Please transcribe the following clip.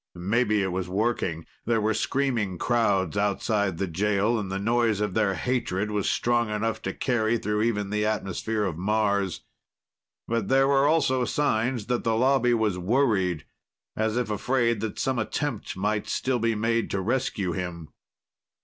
Maybe it was working. There were screaming crowds outside the jail, and the noise of their hatred was strong enough to carry through even the atmosphere of Mars. But there were also signs that the Lobby was worried, as if afraid that some attempt might still be made to rescue him.